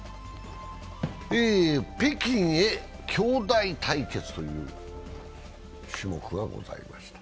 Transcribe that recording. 北京へ、兄弟対決という種目がございました。